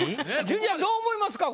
ジュニアどう思いますか？